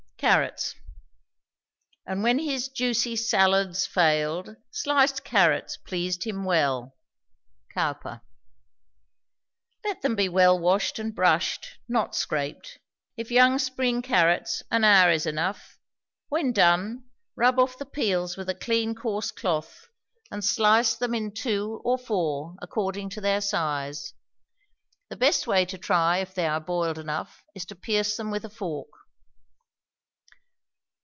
CARROTS. And when his juicy salads fail'd, Slic'd carrots pleased him well. COWPER. Let them be well washed and brushed, not scraped. If young spring carrots, an hour is enough. When done, rub off the peels with a clean coarse cloth, and slice them in two or four, according to their size. The best way to try if they are boiled enough, is to pierce them with a fork.